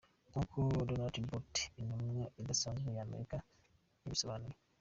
" Nk’uko Donald Booth, intumwa idasanzwe y’Amerika yabisobanuye.